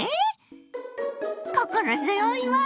心強いわ！